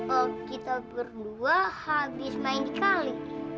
oh kita berdua habis main di kali